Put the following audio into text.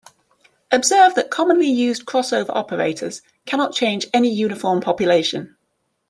Observe that commonly used crossover operators cannot change any uniform population.